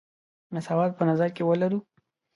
مساوات په نظر کې ولرو.